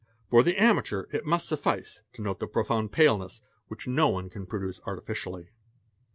For the amateur it must suffice to note the profound paleness which no one can produce artificially.